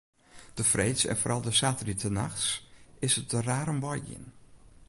De freeds en foaral de saterdeitenachts is it der raar om wei gien.